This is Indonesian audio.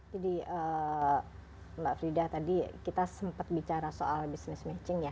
mbak frida tadi kita sempat bicara soal business matching ya